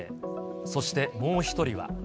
そして、もう１人は。